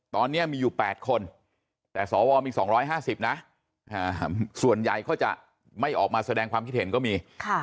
ตอนนี้มีอยู่๘คนแต่สวมี๒๕๐นะส่วนใหญ่เขาจะไม่ออกมาแสดงความคิดเห็นก็มี